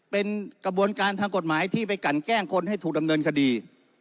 เป็นกระบวนการทางกฎหมายที่ไปกันแกล้งคนให้ถูกดำเนินคดี